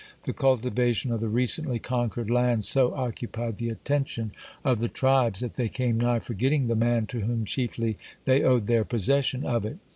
The cultivation of the recently conquered land so occupied the attention of the tribes that they came nigh forgetting the man to whom chiefly they owed their possession of it.